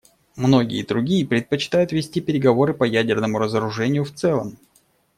Многие другие предпочитают вести переговоры по ядерному разоружению в целом.